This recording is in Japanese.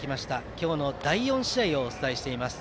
今日の第４試合をお伝えしています。